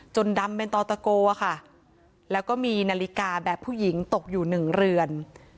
ดำเป็นต่อตะโกอะค่ะแล้วก็มีนาฬิกาแบบผู้หญิงตกอยู่หนึ่งเรือน